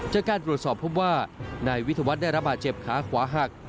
จากการตรวจสอบพบว่านายวิทยาวัฒน์ได้รับบาดเจ็บขาขวาหัก